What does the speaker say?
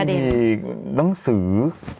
มีหนังสือ